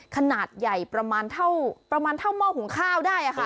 ขนาดใหญ่ประมาณเท่าเมาะหุงข้าวได้อะค่ะ